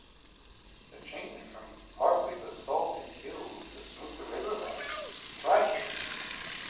The change from partly basaltic hills to smooth river valleys is striking.